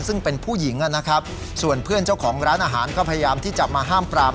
ซึ่งเป็นผู้หญิงนะครับส่วนเพื่อนเจ้าของร้านอาหารก็พยายามที่จะมาห้ามปราม